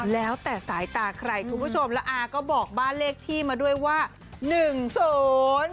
แล้วแต่สายตาใครคุณผู้ชมแล้วอาก็บอกบ้านเลขที่มาด้วยว่าหนึ่งศูนย์